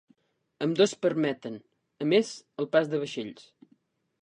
Ambdós permeten, a més, el pas de vaixells.